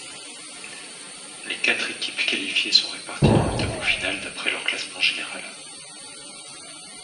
Les quatre équipes qualifiées sont réparties dans le tableau final d'après leur classement général.